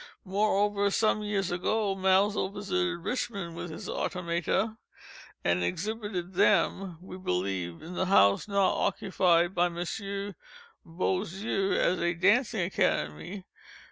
Moreover, some years ago Maelzel visited Richmond with his automata, and exhibited them, we believe, in the house now occupied by M. Bossieux as a Dancing Academy.